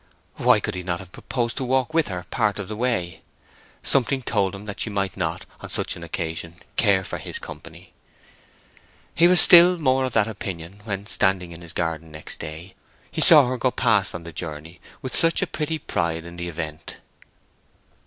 Why could he not have proposed to walk with her part of the way? Something told him that she might not, on such an occasion, care for his company. He was still more of that opinion when, standing in his garden next day, he saw her go past on the journey with such a pretty pride in the event.